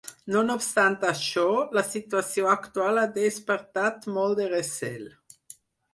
No obstant això, la situació actual ha despertat molt de recel.